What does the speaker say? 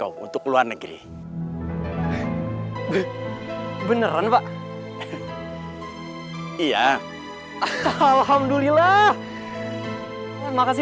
aku tuh mau bikin cerpen bahasa inggris